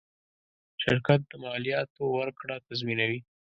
شرکت د مالیاتو ورکړه تضمینوي.